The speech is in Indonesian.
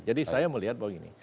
jadi saya melihat bahwa gini